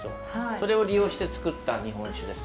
それを利用してつくった日本酒です。